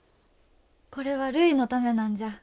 これはるいのためなんじゃ。